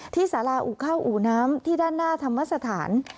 สาราอู่เข้าอู่น้ำที่ด้านหน้าธรรมสถาน